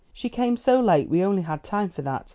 She came so late we only had time for that.